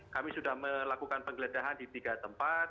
kami sudah melakukan penggeledahan di tiga tempat